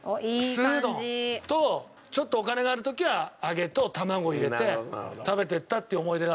素うどんとちょっとお金がある時は揚げと卵を入れて食べて行ったっていう思い出があるんで。